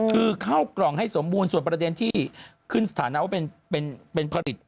คือเข้ากล่องให้สมบูรณ์ส่วนประเด็นที่ขึ้นสถานะว่าเป็นผลิต